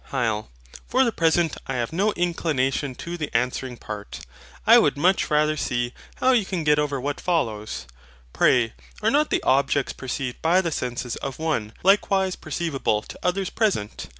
HYL. For the present, I have no inclination to the answering part. I would much rather see how you can get over what follows. Pray are not the objects perceived by the SENSES of one, likewise perceivable to others present?